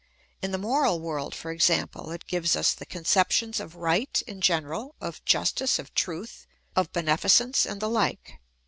In the moral world, for example, it gives us the conceptions of right in general, of justice, of truth, of beneficence, and the like.